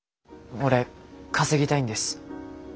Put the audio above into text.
俺稼ぎたいんです。